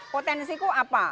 potensi ku apa